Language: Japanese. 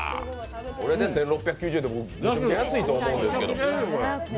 これで１６９０円って安いと思うんですけど。